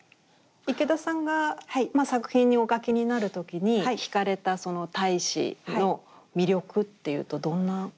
池田さんが作品にお描きになるときにひかれたその太子の魅力っていうとどんな？